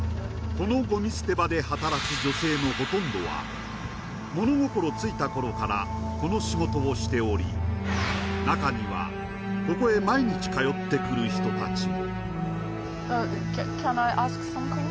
このごみ捨て場で働く女性のほとんどは物心ついたころからこの仕事をしており、中にはここへ毎日通ってくる人たちも。